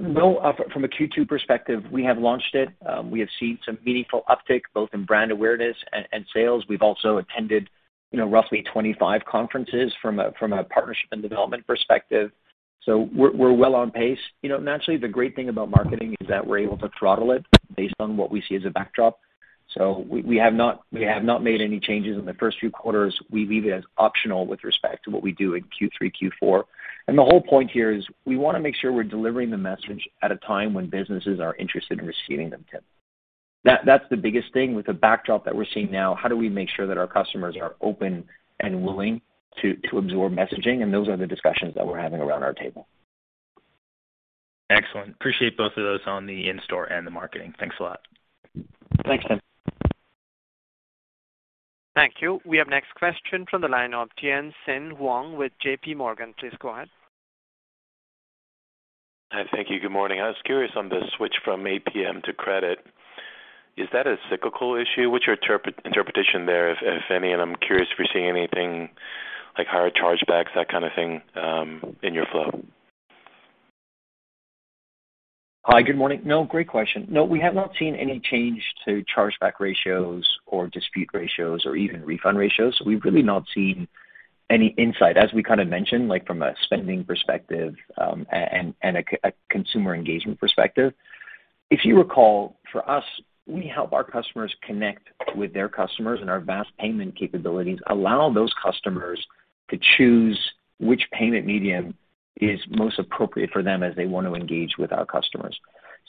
C: No. From a Q2 perspective, we have launched it. We have seen some meaningful uptick both in brand awareness and sales. We've also attended roughly 25 conferences from a partnership and development perspective. We're well on pace. Naturally, the great thing about marketing is that we're able to throttle it based on what we see as a backdrop. We have not made any changes in the first few quarters. We leave it as optional with respect to what we do in Q3-Q4. The whole point here is we wanna make sure we're delivering the message at a time when businesses are interested in receiving them, Tim. That's the biggest thing with the backdrop that we're seeing now, how do we make sure that our customers are open and willing to absorb messaging? Those are the discussions that we're having around our table.
G: Excellent. Appreciate both of those on the in-store and the marketing. Thanks a lot.
C: Thanks, Tim.
A: Thank you. We have next question from the line of Tien-Tsin Huang with JPMorgan. Please go ahead.
H: Hi. Thank you. Good morning. I was curious on the switch from APM to credit. Is that a cyclical issue? What's your interpretation there, if any? I'm curious if you're seeing anything like higher chargebacks, that kind of thing, in your flow.
C: Hi, good morning. No, great question. No, we have not seen any change to chargeback ratios or dispute ratios or even refund ratios. We've really not seen any insight, as we kinda mentioned, like, from a spending perspective, and a consumer engagement perspective. If you recall, for us, we help our customers connect with their customers, and our vast payment capabilities allow those customers to choose which payment medium is most appropriate for them as they want to engage with our customers.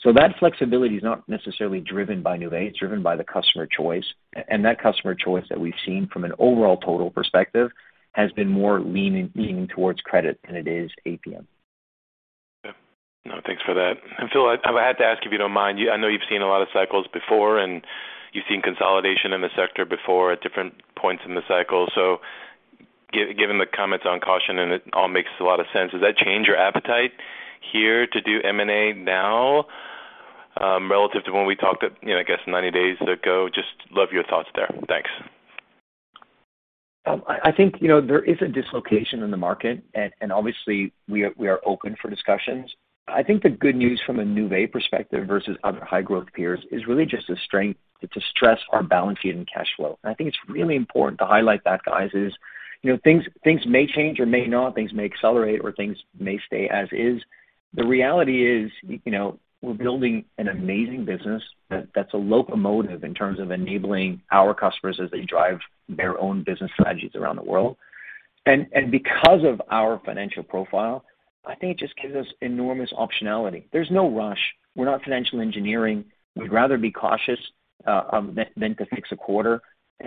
C: That flexibility is not necessarily driven by Nuvei, it's driven by the customer choice. That customer choice that we've seen from an overall total perspective has been more leaning towards credit than it is APM.
H: Yeah. No, thanks for that. Philip, I have to ask, if you don't mind. I know you've seen a lot of cycles before, and you've seen consolidation in the sector before at different points in the cycle. Given the comments on caution and it all makes a lot of sense, does that change your appetite here to do M&A now, relative to when we talked at, you know, I guess 90 days ago? Just love your thoughts there. Thanks.
C: I think, you know, there is a dislocation in the market. Obviously we are open for discussions. I think the good news from a Nuvei perspective versus other high-growth peers is really just a strength to stress our balance sheet and cash flow. I think it's really important to highlight that, guys, you know, things may change or may not, may accelerate or may stay as is. The reality is, you know, we're building an amazing business that's a locomotive in terms of enabling our customers as they drive their own business strategies around the world. Because of our financial profile, I think it just gives us enormous optionality. There's no rush. We're not financial engineering. We'd rather be cautious than to fix a quarter.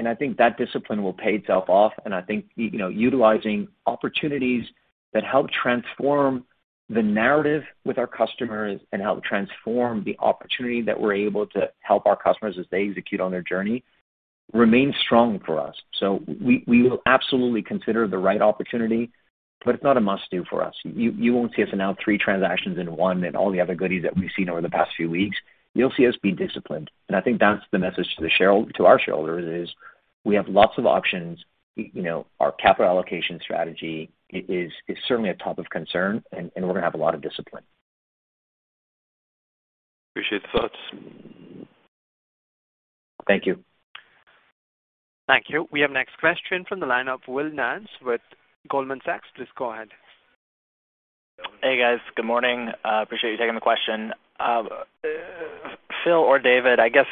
C: I think that discipline will pay itself off, and I think, you know, utilizing opportunities that help transform the narrative with our customers and help transform the opportunity that we're able to help our customers as they execute on their journey remains strong for us. We will absolutely consider the right opportunity, but it's not a must-do for us. You won't see us announce three transactions in one and all the other goodies that we've seen over the past few weeks. You'll see us be disciplined, and I think that's the message to our shareholders is we have lots of options. You know, our capital allocation strategy is certainly a top of concern, and we're gonna have a lot of discipline.
H: Appreciate the thoughts.
C: Thank you.
A: Thank you. We have next question from the line of Will Nance with Goldman Sachs. Please go ahead.
I: Hey, guys. Good morning. Appreciate you taking the question. Phil or David, I guess,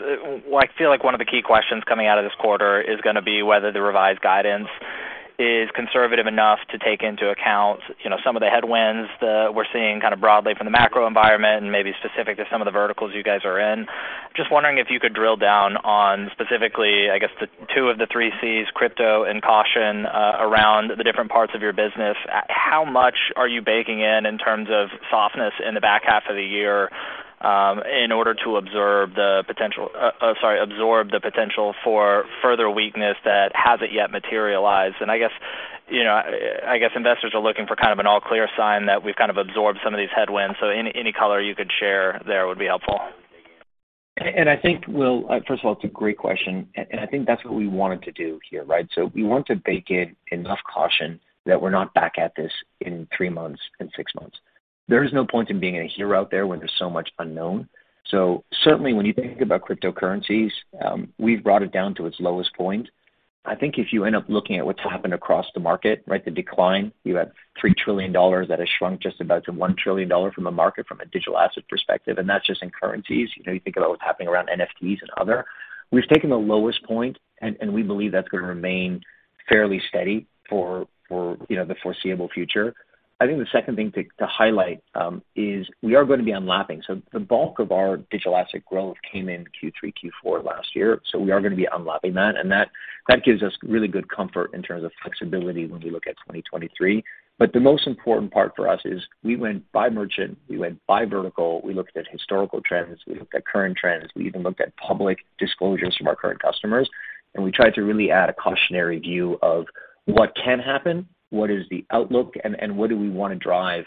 I: well, I feel like one of the key questions coming out of this quarter is gonna be whether the revised guidance is conservative enough to take into account, you know, some of the headwinds that we're seeing kinda broadly from the macro environment and maybe specific to some of the verticals you guys are in. Just wondering if you could drill down on specifically, I guess, the two of the 3C, crypto and caution, around the different parts of your business. How much are you baking in terms of softness in the back half of the year, in order to absorb the potential for further weakness that hasn't yet materialized? I guess, you know, I guess investors are looking for kind of an all clear sign that we've kind of absorbed some of these headwinds. Any color you could share there would be helpful.
C: I think, Will, first of all, it's a great question. I think that's what we wanted to do here, right? We want to bake in enough caution that we're not back at this in three months and six months. There is no point in being a hero out there when there's so much unknown. Certainly, when you think about cryptocurrencies, we've brought it down to its lowest point. I think if you end up looking at what's happened across the market, right, the decline, you have $3 trillion that has shrunk just about to $1 trillion from a digital asset perspective, and that's just in currencies. You know, you think about what's happening around NFTs and other. We've taken the lowest point and we believe that's gonna remain fairly steady for you know, the foreseeable future. I think the second thing to highlight is we are gonna be unlapping. The bulk of our digital asset growth came in Q3-Q4 last year, so we are gonna be unlapping that, and that gives us really good comfort in terms of flexibility when we look at 2023. The most important part for us is we went by merchant, we went by vertical, we looked at historical trends, we looked at current trends, we even looked at public disclosures from our current customers, and we tried to really add a cautionary view of what can happen, what is the outlook, and what do we wanna drive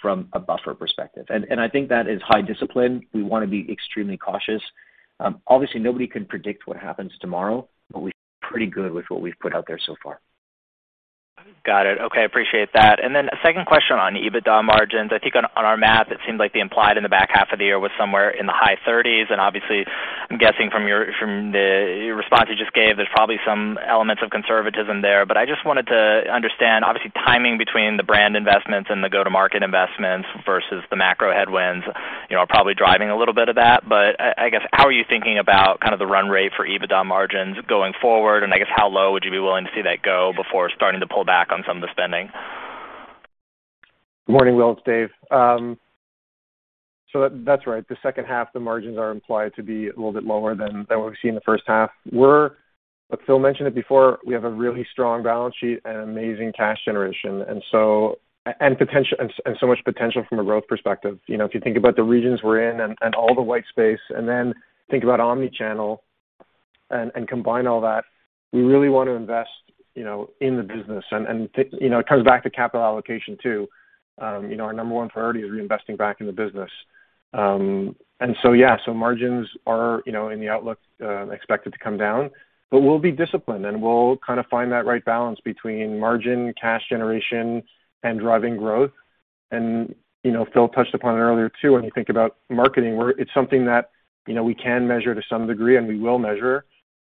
C: from a buffer perspective. I think that is high discipline. We wanna be extremely cautious. Obviously, nobody can predict what happens tomorrow, but we feel pretty good with what we've put out there so far.
I: Got it. Okay, appreciate that. A second question on EBITDA margins. I think on our math, it seemed like the implied in the back half of the year was somewhere in the high 30s, and obviously I'm guessing from your response you just gave, there's probably some elements of conservatism there. I guess how are you thinking about kind of the run rate for EBITDA margins going forward, and I guess how low would you be willing to see that go before starting to pull back on some of the spending?
D: Morning, Will. It's David. That, that's right. The second half, the margins are implied to be a little bit lower than what we've seen in the first half. Phil mentioned it before, we have a really strong balance sheet and amazing cash generation. And so much potential from a growth perspective. You know, if you think about the regions we're in and all the white space, and then think about omnichannel and combine all that, we really wanna invest, you know, in the business. It comes back to capital allocation too. You know, our number one priority is reinvesting back in the business. Margins are, you know, in the outlook expected to come down, but we'll be disciplined, and we'll kind of find that right balance between margin, cash generation, and driving growth. You know, Philip touched upon it earlier too, when you think about marketing, it's something that, you know, we can measure to some degree and we will measure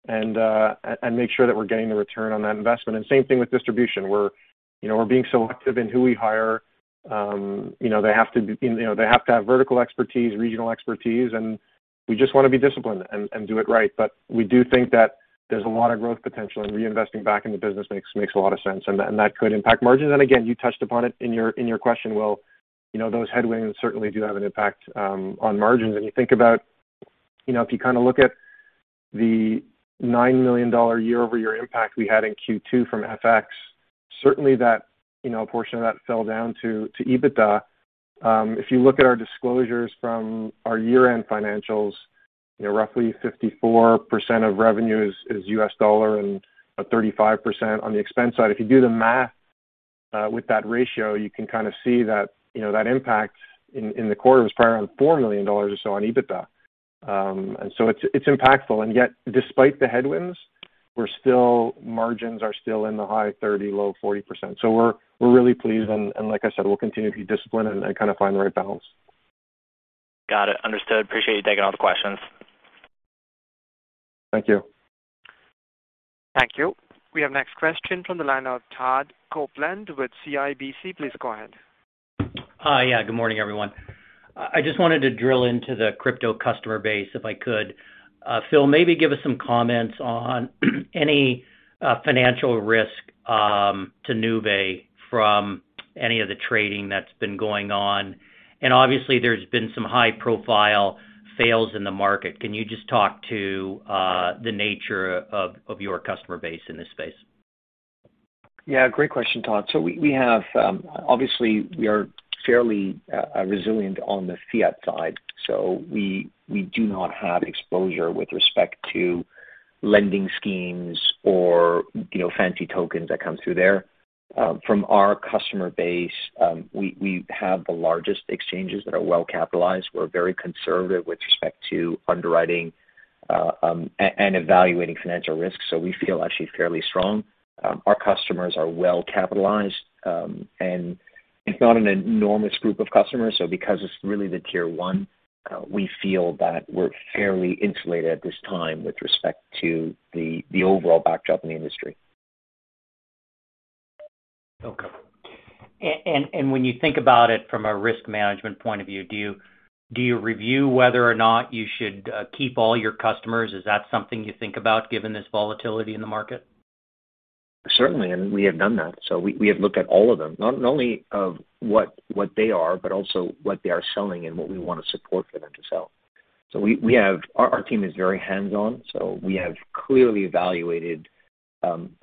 D: and make sure that we're getting the return on that investment. Same thing with distribution. You know, we're being selective in who we hire. You know, they have to have vertical expertise, regional expertise, and we just wanna be disciplined and do it right. We do think that there's a lot of growth potential, and reinvesting back in the business makes a lot of sense. That could impact margins. Again, you touched upon it in your question, Will. You know, those headwinds certainly do have an impact on margins. You think about, you know, if you kinda look at the $9 million year-over-year impact we had in Q2 from FX, certainly that, you know, a portion of that fell down to EBITDA. If you look at our disclosures from our year-end financials, you know, roughly 54% of revenue is U.S. dollar and 35% on the expense side. If you do the math with that ratio, you can kind of see that, you know, that impact in the quarter was probably around $4 million or so on EBITDA. It's impactful. Yet, despite the headwinds, margins are still in the high 30%, low 40%. We're really pleased and, like I said, we'll continue to be disciplined and kind of find the right balance.
I: Got it. Understood. Appreciate you taking all the questions.
D: Thank you.
A: Thank you. We have next question from the line of Todd Coupland with CIBC. Please go ahead.
J: Hi. Yeah, good morning, everyone. I just wanted to drill into the crypto customer base, if I could. Phil, maybe give us some comments on any financial risk to Nuvei from any of the trading that's been going on. Obviously, there's been some high-profile fails in the market. Can you just talk to the nature of your customer base in this space?
C: Yeah, great question, Todd. Obviously, we are fairly resilient on the fiat side, so we do not have exposure with respect to lending schemes or, you know, fancy tokens that come through there. From our customer base, we have the largest exchanges that are well-capitalized. We're very conservative with respect to underwriting and evaluating financial risks, so we feel actually fairly strong. Our customers are well-capitalized, and it's not an enormous group of customers. Because it's really the Tier 1, we feel that we're fairly insulated at this time with respect to the overall backdrop in the industry.
J: Okay. When you think about it from a risk management point of view, do you review whether or not you should keep all your customers? Is that something you think about given this volatility in the market?
C: Certainly, we have done that. We have looked at all of them, not only of what they are, but also what they are selling and what we wanna support for them to sell. Our team is very hands-on, so we have clearly evaluated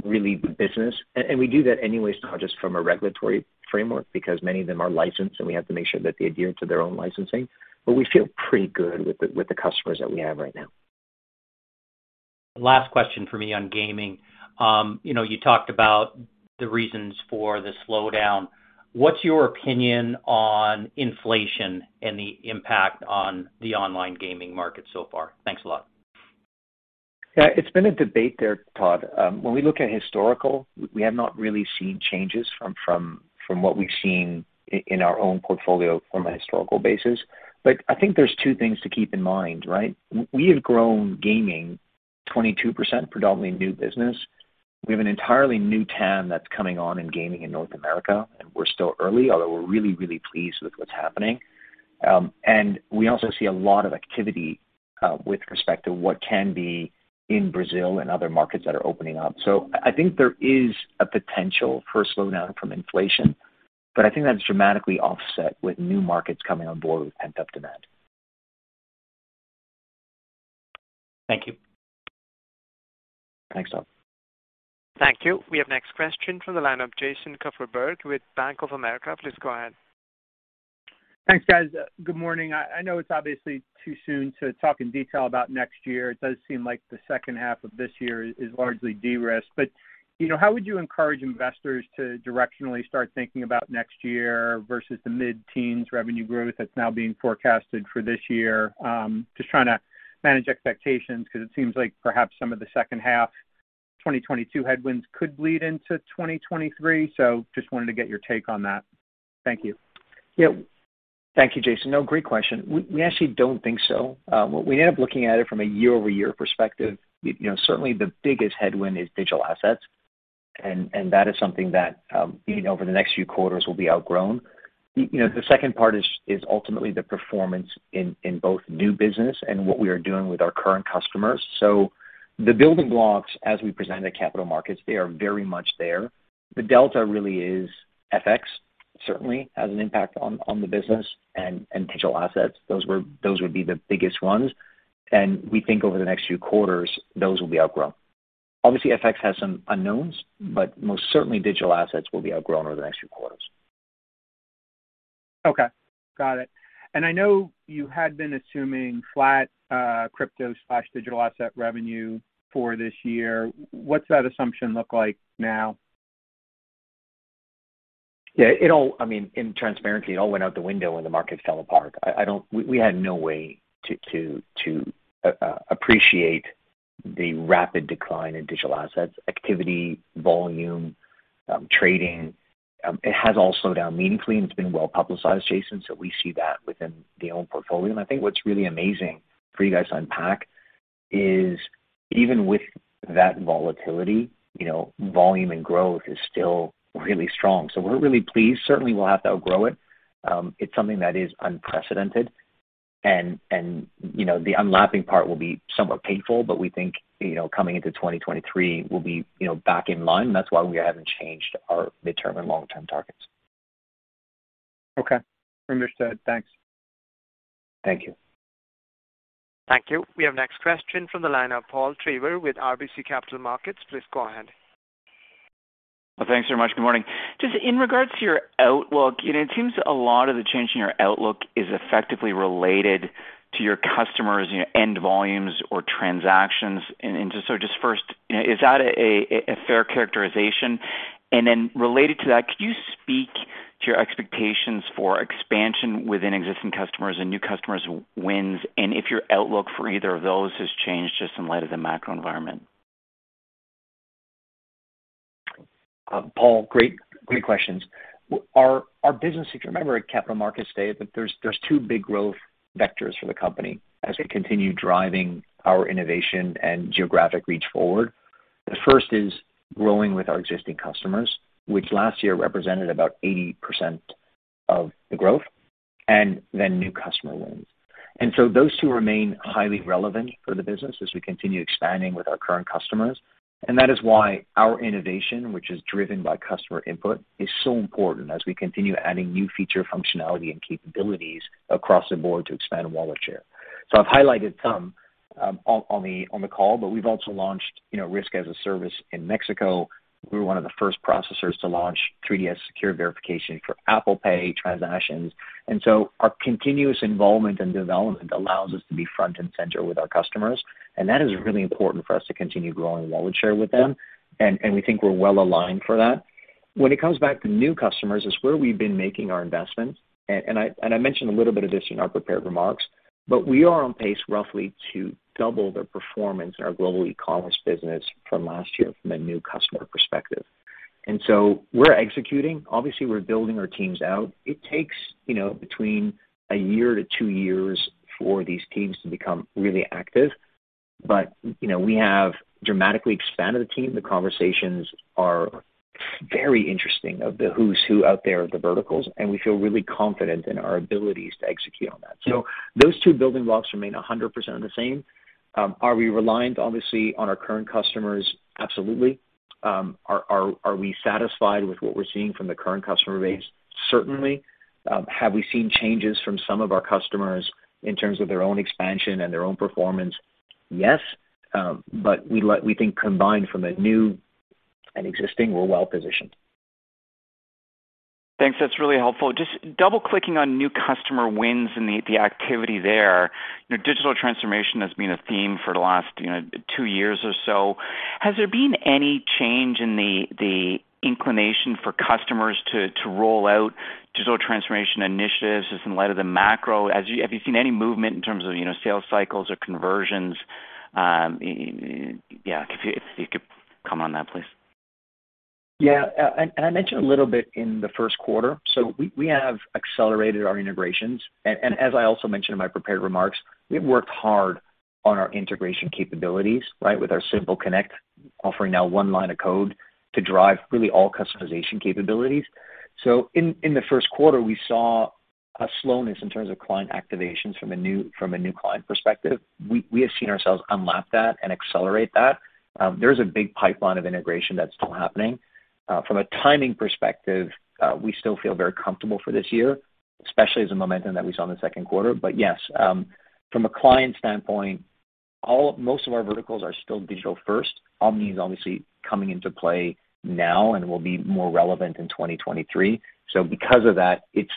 C: really the business. We do that anyways, not just from a regulatory framework, because many of them are licensed, and we have to make sure that they adhere to their own licensing. We feel pretty good with the customers that we have right now.
J: Last question for me on gaming. You know, you talked about the reasons for the slowdown. What's your opinion on inflation and the impact on the online gaming market so far? Thanks a lot.
C: Yeah. It's been a debate there, Todd. When we look at historical, we have not really seen changes from what we've seen in our own portfolio from a historical basis. I think there's two things to keep in mind, right? We have grown gaming 22%, predominantly new business. We have an entirely new TAM that's coming on in gaming in North America, and we're still early, although we're really, really pleased with what's happening. We also see a lot of activity with respect to what can be in Brazil and other markets that are opening up. I think there is a potential for a slowdown from inflation, but I think that's dramatically offset with new markets coming on board with pent-up demand.
J: Thank you.
C: Thanks, Todd.
A: Thank you. We have next question from the line of Jason Kupferberg with Bank of America. Please go ahead.
K: Thanks, guys. Good morning. I know it's obviously too soon to talk in detail about next year. It does seem like the second half of this year is largely de-risked. You know, how would you encourage investors to directionally start thinking about next year versus the mid-teens revenue growth that's now being forecasted for this year? Just trying to manage expectations because it seems like perhaps some of the second half 2022 headwinds could bleed into 2023. Just wanted to get your take on that. Thank you.
C: Yeah. Thank you, Jason. No, great question. We actually don't think so. When we end up looking at it from a year-over-year perspective, you know, certainly the biggest headwind is digital assets. That is something that, you know, over the next few quarters will be outgrown. You know, the second part is ultimately the performance in both new business and what we are doing with our current customers. The building blocks as we present at Capital Markets Day, they are very much there. The delta really is FX, certainly has an impact on the business and digital assets. Those would be the biggest ones. We think over the next few quarters, those will be outgrown. Obviously, FX has some unknowns, but most certainly digital assets will be outgrown over the next few quarters.
K: Okay, got it. I know you had been assuming flat, crypto/digital asset revenue for this year. What's that assumption look like now?
C: I mean, in transparency, it all went out the window when the markets fell apart. We had no way to appreciate the rapid decline in digital assets activity, volume, trading. It has all slowed down meaningfully, and it's been well-publicized, Jason, so we see that within our own portfolio. I think what's really amazing for you guys to unpack is even with that volatility, you know, volume and growth is still really strong. We're really pleased. Certainly, we'll have to outgrow it. It's something that is unprecedented. You know, the unlapping part will be somewhat painful, but we think, you know, coming into 2023, we'll be, you know, back in line. That's why we haven't changed our midterm and long-term targets.
K: Okay, understood. Thanks.
C: Thank you.
A: Thank you. We have next question from the line of Paul Treiber with RBC Capital Markets. Please go ahead.
L: Well, thanks very much. Good morning. Just in regards to your outlook, you know, it seems a lot of the change in your outlook is effectively related to your customers, you know, end volumes or transactions. Just first, is that a fair characterization? Related to that, could you speak to your expectations for expansion within existing customers and new customers wins, and if your outlook for either of those has changed just in light of the macro environment?
C: Paul, great questions. Our business, if you remember at Capital Markets Day, there's two big growth vectors for the company as we continue driving our innovation and geographic reach forward. The first is growing with our existing customers, which last year represented about 80% of the growth, and then new customer wins. Those two remain highly relevant for the business as we continue expanding with our current customers. That is why our innovation, which is driven by customer input, is so important as we continue adding new feature functionality and capabilities across the board to expand wallet share. I've highlighted some on the call, but we've also launched, you know, risk as a service in Mexico. We were one of the first processors to launch 3D Secure verification for Apple Pay transactions. Our continuous involvement and development allows us to be front and center with our customers, and that is really important for us to continue growing wallet share with them. We think we're well aligned for that. When it comes back to new customers, it's where we've been making our investments. I mentioned a little bit of this in our prepared remarks, but we are on pace roughly to double the performance in our global eCommerce business from last year from a new customer perspective. We're executing. Obviously, we're building our teams out. It takes, you know, between 1-2 years for these teams to become really active. You know, we have dramatically expanded the team. The conversations are very interesting of the who's who out there, the verticals, and we feel really confident in our abilities to execute on that. Those two building blocks remain 100% the same. Are we reliant obviously on our current customers? Absolutely. Are we satisfied with what we're seeing from the current customer base? Certainly. Have we seen changes from some of our customers in terms of their own expansion and their own performance? Yes. We think combined from a new and existing, we're well-positioned.
L: Thanks. That's really helpful. Just double-clicking on new customer wins and the activity there. You know, digital transformation has been a theme for the last, you know, two years or so. Has there been any change in the inclination for customers to roll out digital transformation initiatives just in light of the macro? Have you seen any movement in terms of, you know, sales cycles or conversions? Yeah, if you could comment on that, please.
C: Yeah, I mentioned a little bit in the first quarter. We have accelerated our integrations. As I also mentioned in my prepared remarks, we have worked hard on our integration capabilities, right? With our Simply Connect offering now one line of code to drive really all customization capabilities. In the first quarter, we saw a slowness in terms of client activations from a new client perspective. We have seen ourselves unlap that and accelerate that. There is a big pipeline of integration that's still happening. From a timing perspective, we still feel very comfortable for this year, especially as the momentum that we saw in the second quarter. Yes, from a client standpoint, most of our verticals are still digital first. Omni is obviously coming into play now and will be more relevant in 2023. Because of that, it's,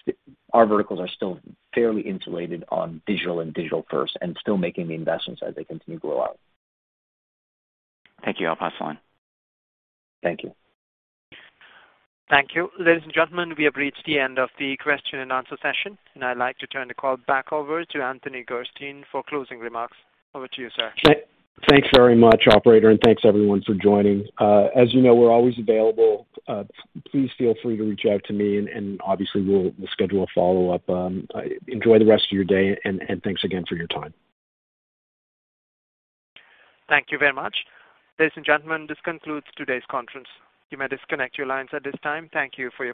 C: our verticals are still fairly insulated on digital and digital first and still making the investments as they continue to grow out.
L: Thank you. I'll pass the line.
C: Thank you.
A: Thank you. Ladies and gentlemen, we have reached the end of the question-and-answer session, and I'd like to turn the call back over to Anthony Gerstein for closing remarks. Over to you, sir.
B: Thanks very much, operator, and thanks everyone for joining. As you know, we're always available. Please feel free to reach out to me, and obviously we'll schedule a follow-up. Enjoy the rest of your day and thanks again for your time.
A: Thank you very much. Ladies and gentlemen, this concludes today's conference. You may disconnect your lines at this time. Thank you for your participation.